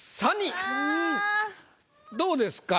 どうですか？